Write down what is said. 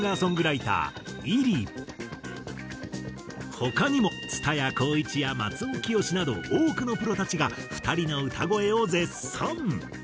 他にも蔦谷好位置や松尾潔など多くのプロたちが２人の歌声を絶賛。